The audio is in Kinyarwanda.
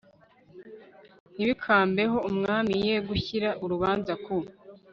ntibikambeho umwami ye gushyira urubanza ku